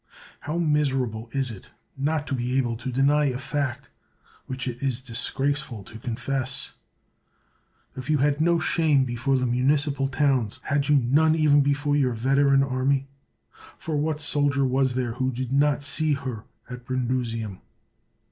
How miserable is it not to be able to deny a fact which it is dis graceful to confess! If you had no shame be fore the municipal towns, had you none even 186 CICERO before your veteran army? For what soldier was there who did not see her at Brundusium?